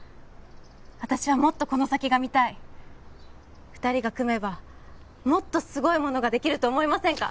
私はもっとこの先が見たい二人が組めばもっとすごいものができると思いませんか？